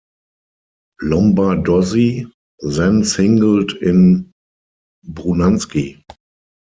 Lombardozzi then singled in Brunansky.